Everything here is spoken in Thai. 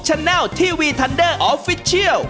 ตะเกียบกี่ข้าวเตี๋ยว